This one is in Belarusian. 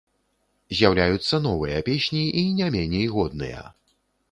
З'яўляюцца новыя песні, і не меней годныя.